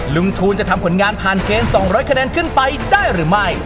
ทูลจะทำผลงานผ่านเกณฑ์๒๐๐คะแนนขึ้นไปได้หรือไม่